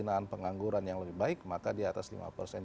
penggunaan pengangguran yang lebih baik maka di atas lima persen